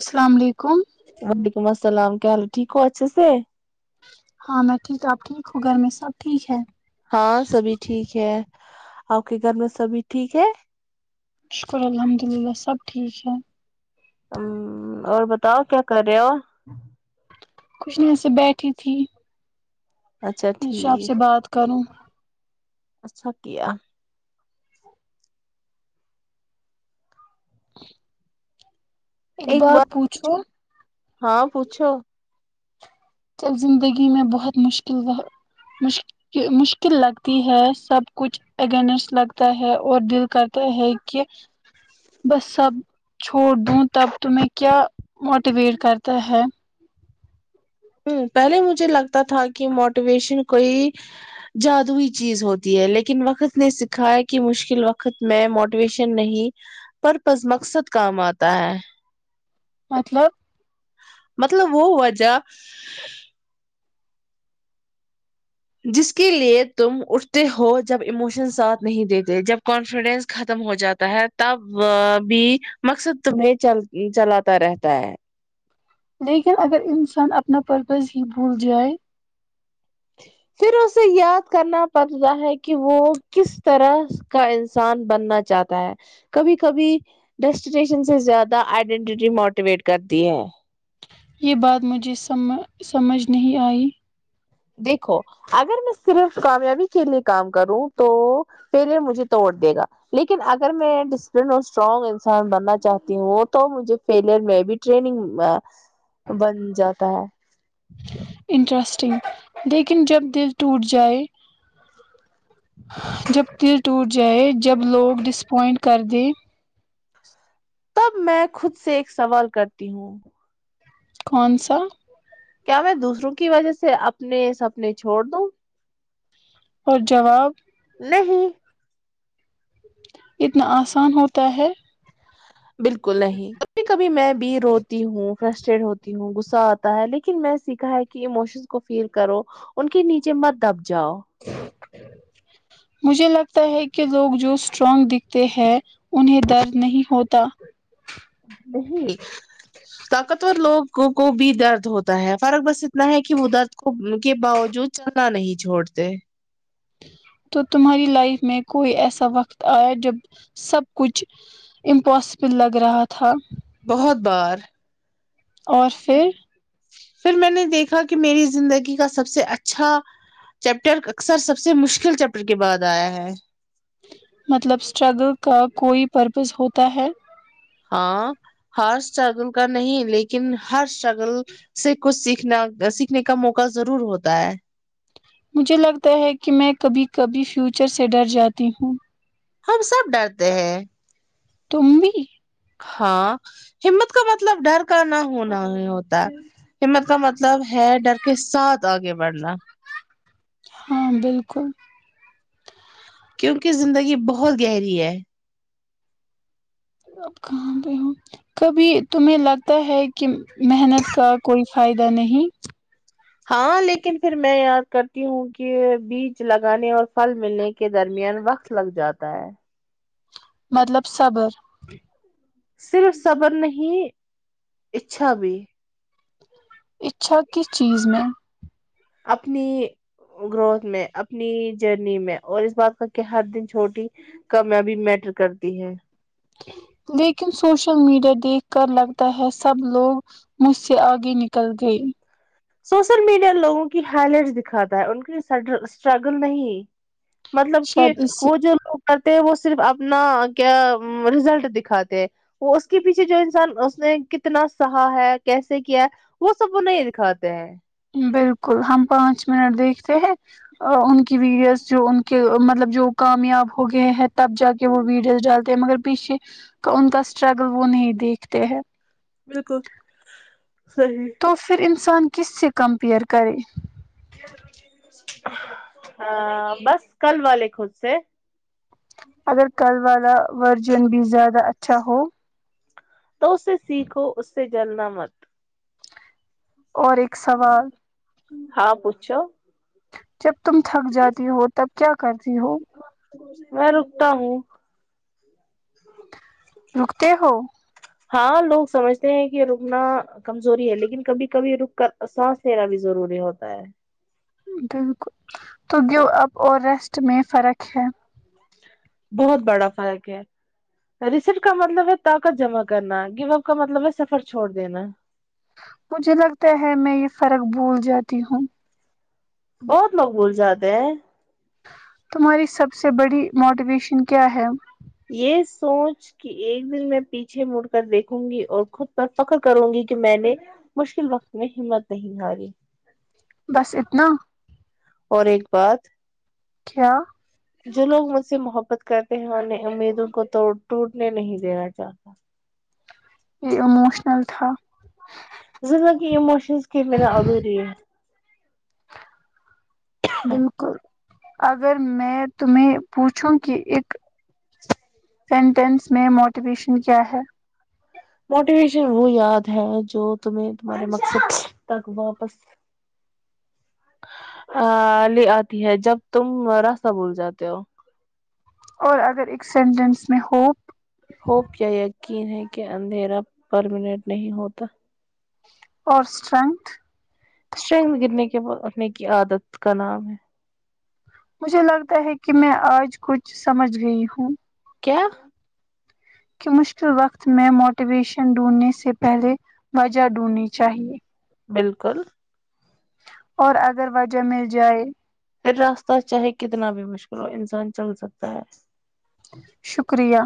السلام علیکم اللام کیا حال ٹھو اچ سے ہاں میں ٹھیک ہ ٹھیک ہو گھر میں سب ٹھیک ہے ہاں سبھی ٹھیک ہے اک گھر میں سبھی ٹھیک ہے شکر الحمد للہ سب ٹھیک ہیں ہ اور بتاؤ کیا کر رہے ہو خوشنی سے بیٹھی تھی اچھا میںشا آپ ٹھیک سے بات کروں اچھا کیا ایک بار بات پوچھو ہاں پوچھو ب زندگی میں بہت مشکل مشکل لگتی ہے سب کچھ اگینسٹ لگتا ہے اور دل کرتا ہے کہ بس سب چھوڑ دوں تب تمہیں کیا موٹیویٹ کرتا ہے ہ پہلے مجھے لگتا تھا کہ موٹیویشن کوئی جادوئی چیز ہوتی ہے لیکن وقت نے سکھا کہ مشکل وقت میں موٹیویشن نہیں پر پز مقصد کام آتا ہے مطلب مطلب وہ ہوا جب جس کے لیے تم اٹھتے ہو جب ایموشن ساتھ نہیں دیتے جب کانفیڈنس ختم ہو جاتا ہے تب بھی مقصد تمہیں چلاتا رہتا ہے لیکن اگر انسان اپنا پرپز ہی بھول جائے پھر اسے یاد کرنا پڑتا ہے کہ وہ کس طرح کا انسان بننا چاہتا ہے کبھی کبھی ڈیسٹینیشن سے زیادہ آئیڈینٹیٹی موٹیویٹ کرتی ہے یہ بات مجھے سمجھ نہیں آئی دیکھو اگر میں صرف کامیابی کے لیے کام کروں تو فیلئر مجھے توڑ دے گا لیکن اگر میں ڈسپلن اور اسٹرانگ انسان بننا چاہتی ہوں تو مجھے فیلئر میں بھی ٹرینگ بن جاتا ہے انٹرسٹنگ لیکن جب دل ٹوٹ جائے جب دل ٹوٹ جائے جب لوگ ڈسپوائنٹ کر دیں تب میں خود سے ایک سوال کرتی ہوں کون سا کیا میں دوسروں کی وجہ سے اپنے سپنے چھوڑ دوں اور جواب نہیں اتنا آسان ہوتا ہے بالکل نہیں کبھی کبھی میں بھی روتی ہوں فرسٹیڈ ہوتی ہوں گغصہ آتا ہے لیکن میں سیکھا ہے کہ اموشن کو فیل کرو ان کے نیچے مت دب جاؤ مجھے لگتا ہے کہ لوگ جو اسٹرانگ دکھتے ہیں انہیں درد نہیں ہوتا تو نہیں طاقتور لوگ کو بھی درد ہوتا ہے فرق بس اتنا ہے کہ وہ درد کو کے باوجود چلنا نہیں چھوڑتے تو تمہاری لائف میں کوئی ایسا وقت آیا جب سب کچھ امپاسبل لگ رہا تھا بہت بار اور پھر پھر میں نے دیکھا کہ میری زندگی کا سب سے اچھا چیپٹر اکثر سب سے مشکل چیپٹر کے بعد آیا ہے مطلب سٹرگل کا کوئی پرپز ہوتا ہے ہاں ہار اسٹرگل کا نہیں لیکن ہر اسٹرگل سے کچھ سیکھنا سیکھنے کا موقع ضرور ہوتا ہے مجھے لگتا ہے کہ میں کبھی کبھی فیوچر سے ڈر جاتی ہوں ہم سب ڈرتے ہیں تم بھی ہاں ہمت کا مطلب ڈر کا نہ ہونا ہی ہوتا ہمت کا مطلب ہے ڈر کے ساتھ آگے بڑھنا ہاں بالکل کیونکہ زندگی بہت گہری ہے اب کہاں پہ ہ کبھی تمہیں لگتا ہے کہ محنت کا کوئی فائدہ نہیں ہاں لیکن پھر میں یاد کرتی ہوں کہ بیج لگانے اور پھل ملنے کے درمیان وقت لگ جاتا ہے مطلب صبر صرف صبر نہیں اچھا بھی اچھا کس چیز میں اپنی گروتھ میں اپنی جرنی میں اور اس بات کا کہ ہر دن چھوٹی کامیابی میٹر کرتی ہے لیکن سوشل میڈیا دیکھ کر لگتا ہے سب لوگ مجھ سے آگے نکل گئے سوشل میڈیا لوگوں کی ہائی لائٹس دکھاتا ہے ان کی اسٹرگل نہیں مطلب کہ شاید اس وہ جووگ کرتے وہ صرف اپنا کیا رزلٹ دکھاتے وہ اس کے پیچھے جو انسان اس نے کتنا سہا ہے کیسے کیا ہے وہ سب وہ نہیں دکھاتا سے بالکل ہم پانچ منٹ دیکھتے ہیں ان کی ویڈیوز جو ان کے مطلب جو کامیاب ہو گئے ہیں تب جا کے وہ ویڈیوز ڈالتے مگر پیچھے کا ان کا اسٹرگل وہ نہیں دیکھتے ہیں بالکل صحیح تو پھر ان انسان کس سے کمپر کرے ہ بس کل والے خود سے اگر کلوار ورژن بھی زیادہ اچھا ہو تو اس سے سیکھو اس سے جلنا مت اور ا سوال ہاں پوچھو جب تم تھک جاتی ہو تب کیا کرتی ہو میں رکتا ہوں رکتے ہو ہاں لوگ سمجھتے ہیں کہ رکنا کمزوری ہے لیکن کبھی کبھی رک کر سانس لینا بھی ضروری ہوتا ہے بالکل تو گو اپ اور ریسٹ میں فرق ہے بہت بڑا فرق ہے رسیٹ کا مطلب ہے طاقت جمع کرنا گو اپ کا مطلب ہے سفر چھوڑ دینا مجھے لگتا ہے میں یہ فرق بھول جاتی ہوں بہت لوگ بھول جاتے ہیں تمہاری سب سے بڑی موٹیویشن کیا ہے یہ سوچ کہ ایک دن میں پیچھے مڑ کر دیکھوں گی اور خود پر فخر کروں گی کہ میں نے مشکل وقت میں ہمت نہیں ہاری بس اتنا اور ایک بات کیا جو لوگ مجھ سے محبت کرتے ہیں انہیں امیدوں کو تو ٹوٹنے نہیں دینا چاہتا یہ اموشنل تھا زندگی اموشنس کی م ادھوری ہے بالکل اگر میں تمہیں پوچھوں کہ ایک سینٹینس میں موٹ ویشن کیا ہے موٹیویشن وہ یاد ہے جو تمہیں تمہارے مقصد تک واپس لے آتی ہے جب تم راستہ بھول جاتے ہو اور اگر ایک سینٹینس میں ہوپ ہوپ یا یقین ہے کہ اندھیرا پرمینٹ نہیں ہوتا اور سٹرنتھ اسٹرنتھ گرنے کے بعد اپنے کی عادت کا نام ہے مجھے لگتا ہے کہ میں آج کچھ سمجھ گئی ہوں کیا کہ مشکل وقت میں موٹیویشن ڈھونڈنے سے پہلے وجہ ڈھونڈنی چاہیے بالکل اور اگر وجہ مل جائے پھر راستہ چاہے کتنا بھی مشکل ہو انسان چل سکتا ہے شکریہ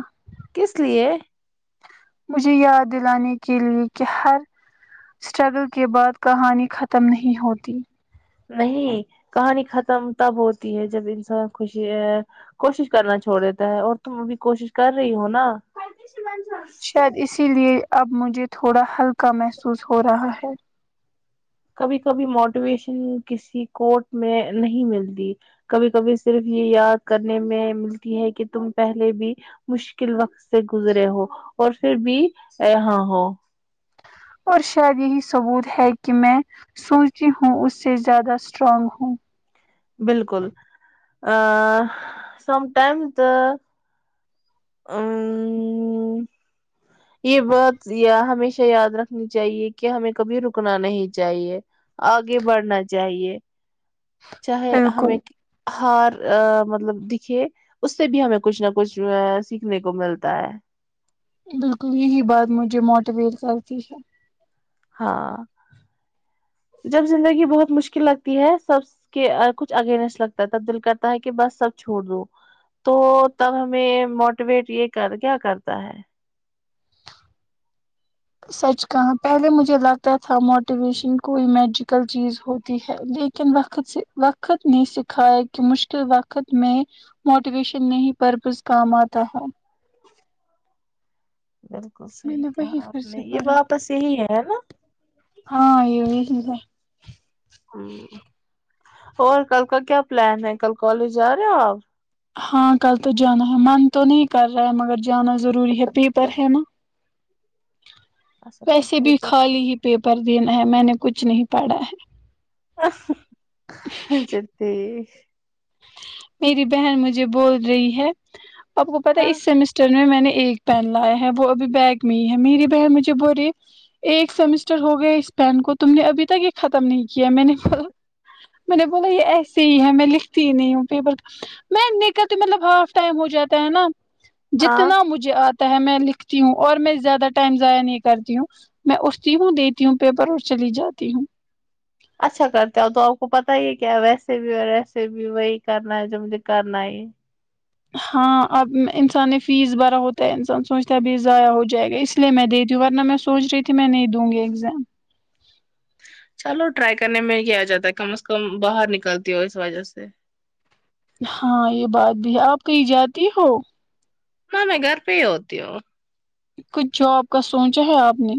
کس لیے مجھے یاد دلانے کے لئے کہ ہر اسٹرگل کے بعد کہانی ختم نہیں ہوتی نہیں کہانی ختم تب ہوتی ہے جب انسان خوشی کوشش کرنا چھوڑ دیتا ہے اور تم اب کوشش کر رہی ہو نا شاید اسی لیے اب مجھے تھوڑا ہلکا محسوس ہو رہا ہے کبھی کبھی موٹیویشن کسی کوٹ میں نہیں ملتی کبھی کبھی صرف یہ یاد کرنے میں ملتی ہے کہ تم پہلے بھی مشکل وقت سے گزرے ہو اور پھر بھی ہاں ہو اور شاید یہی ثبوت ہے کہ میں سنتی ہوں اس سے زیادہ اسٹرانگ ہوں بالکل ا سم ٹائمز تو ا یہ بات ہمیشہ یاد رکھنی چاہیے کہ ہمیں کبھی رکنا نہیں چاہیے آگے بڑھنا چاہیے چاہے ہمیں بالکل ہار ا مطلب دکھے اس سے بھی ہمیں کچھ نہ کچھ سیکھنے کو ملتا ہے بالکل یہی بات مجھے موٹیویٹ کرتی ہے ہاں جب زندگی بہت مشکل لگتی ہے سب کے کچھ اگینسٹ لگتا ہے تب دل کرتا ہے کہ بس سب چھوڑ دووں تو تب ہمیں موٹیویٹ یہ کر کیا کرتا ہے سچ کہاں پہلے مجھے لگتا تھا موٹیویشن کوئی میجیکل چیز ہوتی ہے لیکن وقت نے سکھایا کہ مشکل وقت میں موٹیویشن نہیں پرپز کام آتا ہے بالکل میں صحیح نے کہا وہی پھر آپ نے سے یہ پڑھا واپس یہی ہے ہے نا ان ہ اور کل کا کیا پلان ہے کل کالج جا رہے ہو آپ ہاں کل تو جانا ہے من تو نہیں کر رہا ہے مگر جانا ضروری ہے پیپر ہے نا اچھا کل ویسے بھی پیپر خالی ہی پیپر دینا ہے میں نے کچھ نہیں پڑا ہے س ت میری بہن مجھے بول رہی ہے آپ کو پتا ہاں اس سیمسٹر میں نے ایک پین لایا ہے وہ ابھی بیگ میں ہی ہے میری بہن مجھے بول رہی ایک سمسٹر ہو گیا اس پین کو تم نے ابھی تک یہ ختم نہیں کیا ہے میں نے بو میں نے بولا یہ ایسے ہی ہے میں ل ت نہیں ہوں پ بک میں نکلتی مطلب ہاف ٹائم ہو جاتا ہے نا ہاں جتنا مجھے آتا میں لکھتی ہوں اور میں زیادہ ٹائم ضائع نہیں کرتی ہوں میں اٹھتی ہوں دیتی ہوں پیپر اور چلی جاتی ہوں اچھا کرتے ہو تو آپ کو پتا ہی کیا ویسے بھی اور ویسے بھی وہی کرنا ہے جو مجھے کرنا ہے ہاں اب انسان نے فیس بھرا ہوتا ہے انسان سوچتا ہے ابھی ضائع ہو جائے گا اس لیے میں دےتی ہوں ورنہ میں سوچ رہی تھی میں نہیں دوں گی ایگزام چلو ٹرائی کرنے میں کیا آ جاتا ہے کم از کم باہر نکلتی ہو اس وجہ سے ہاں یہ بات بھی ہے آپ کہیں جاتی ہو ہاں میں گھر پہ ہی ہوتی ہوں کچھ جاب کا سوچا ہے آپ نے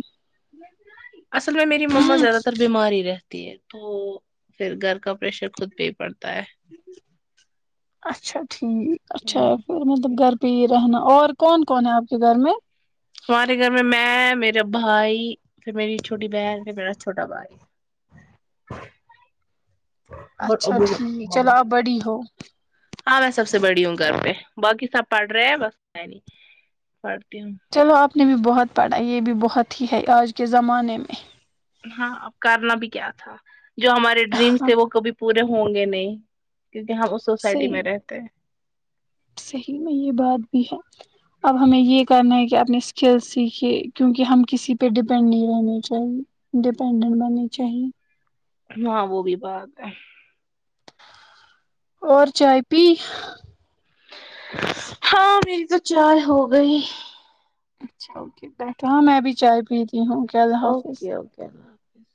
اصل میں میری مما زیادہ تر بیماری ہی رتھ تو پھر گھر کا پریشر خود پہ پڑتا ہے اچھا ٹھیک اچھا ہوں، پھر مطلب گھر پی رہنا اور کون کون ہے آپ کے گھر میں ہمارے گھر میں میں میرے میرا بھائی پھر میری چھوٹی بہن پھر میرا چھوٹا بھائی اور اچھا ابو ٹھیک چلو مما آپ بڑی ہو ہاں میں سب سے بڑی ہوں گھر پہ باقی سب پڑھ رہے ہیں بس نہیں پڑھتی ہوں اس نے بھی بہت پڑھا یہ بھی بہت ہی ہے آج کے زمانے میں ہاں اب کرنا بھی کیا تھا جو ہمارے ڈریمس ہاں ہے وہ کبھی پورے ہوں گے نہیں کیونکہ ہم سوسائٹی صحیح میں رہتے ہیں صحیح میں یہ بات بھی ہے اب ہمیں یہ کرنا ہے کہ اپنے کل سیکھے کیونکہ ہم کسی پہ ڈپینڈ نہیں رہنے چاہیے ڈیپینڈنٹ بننے چاہیے ہاں وہ بھی بات ہے اور چائے پی ہاں میری تو چائے ہو گئی اچ ہاں میں بھی چائے پی ت ہوں کیا اللہ حافظ اسیس